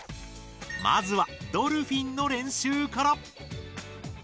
まずは「ドルフィン」の練習から。